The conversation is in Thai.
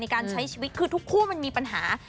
การใช้ชีวิตคือทุกคู่มันมีปัญหา